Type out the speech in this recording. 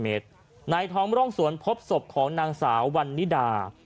เมตรในท้องร่องสวนพบศพของนางสาววันนิดา